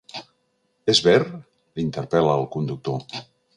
És ver?, l'interpel·la el conductor.